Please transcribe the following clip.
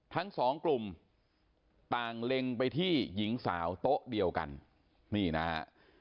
ทั้งสองกลุ่มต่างเล็งไปที่หญิงสาวโต๊ะเดียวกันนี่นะฮะ